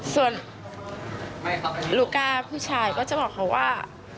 ส่วนลูก้าผู้ชายก็จะบอกเขาว่า